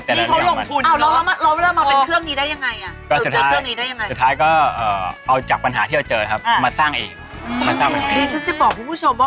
เก่าเคยนะเก่าไปแล้วแบบว่าลองหมุนดูนะยากอะพีช